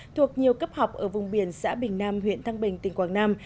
thuộc nhiều cấp học ở vùng biển xã bình nam huyện thăng bình tỉnh quảng nam